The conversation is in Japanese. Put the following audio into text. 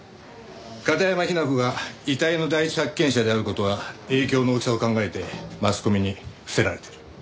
片山雛子が遺体の第一発見者である事は影響の大きさを考えてマスコミに伏せられてる。